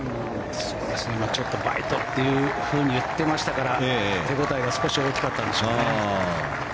ちょっとバイトと言っていましたから手応えが大きかったんでしょうね。